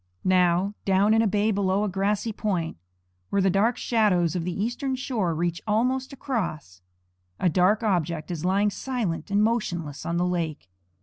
Now, down in a bay below a grassy point, where the dark shadows of the eastern shore reach almost across, a dark object is lying silent and motionless on the lake.